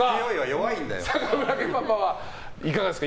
坂村家パパはいかがですか？